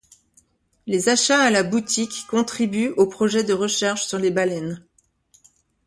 Les achats à la boutique contribuent aux projets de recherche sur les baleines.